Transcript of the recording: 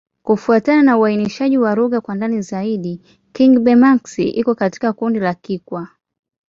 Kufuatana na uainishaji wa lugha kwa ndani zaidi, Kigbe-Maxi iko katika kundi la Kikwa.